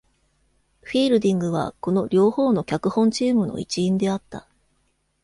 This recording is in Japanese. フィールディングはこの両方の脚本チームの一員であった。